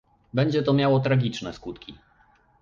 Będzie to miało tragiczne skutki